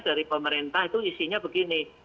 dari pemerintah itu isinya begini